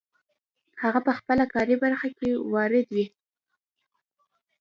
هغه په خپله کاري برخه کې وارد وي.